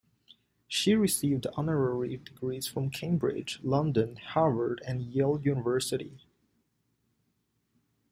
She received honorary degrees from Cambridge, London, Harvard, and Yale universities.